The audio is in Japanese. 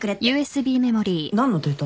何のデータ？